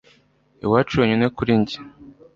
Iwacu wenyine kuri njye